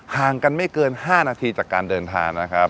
ห่างกันไม่เกิน๕นาทีจากการเดินทางนะครับ